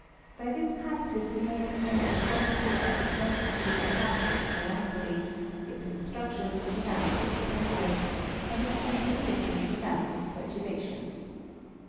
By this practice he may obtai nyihe solitude of adversity without its melancholy, its instructions without its censures, and its sensibility without its perturbations.